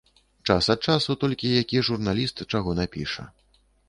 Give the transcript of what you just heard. Час ад часу толькі які журналіст чаго напіша.